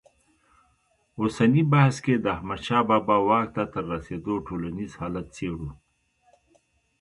اوسني بحث کې د احمدشاه بابا واک ته تر رسېدو ټولنیز حالت څېړو.